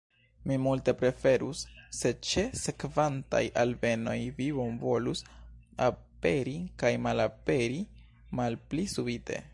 Mi multe preferus, se ĉe sekvantaj alvenoj vi bonvolus aperi kaj malaperi malpli subite.